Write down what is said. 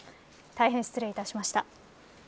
大変失礼いたしました。